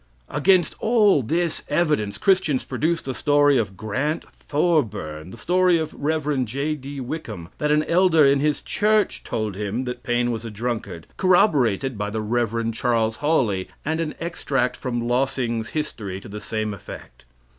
Against all this evidence Christians produce the story of Grant Thorburn, the story of the Rev. J.D. Wickham, that an elder in his church told him that Paine was a drunkard, corroborated by the Rev. Charles Hawley, and an extract from Lossing's history to the same effect.